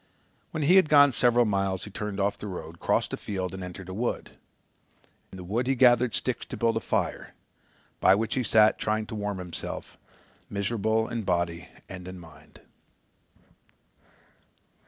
When he had gone several miles he turned off the road, crossed a field and entered a wood. In the wood he gathered sticks to build a fire, by which he sat trying to warm himself, miserable in body and in mind.